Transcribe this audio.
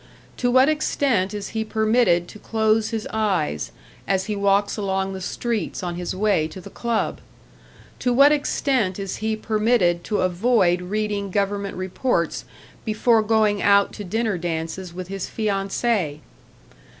To what extent is he permitted to close his eyes, as he walks along the streets on his way to the club? To what extent is he permitted to avoid reading government reports before going out to dinner dances with his fiancée?